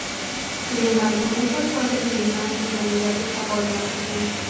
Sin embargo, muchas fuentes indican que en realidad escapó de la prisión.